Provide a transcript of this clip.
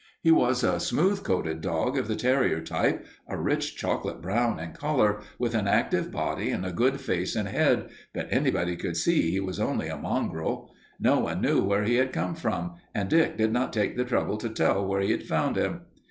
He was a smooth coated dog of the terrier type, a rich chocolate brown in color, with an active body and a good face and head, but anybody could see he was only a mongrel. No one knew where he had come from and Dick did not take the trouble to tell where he had found him.